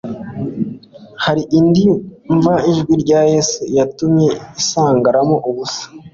Hari indi mva ijwi rya Yesu iyatumye isigaramo ubusa;